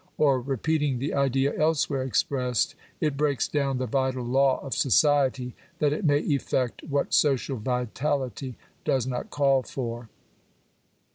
Or, repeating the idea elsewhere expressed (p. 278), it breaks down the vital law of society, that it may effect what social vitality does not call for.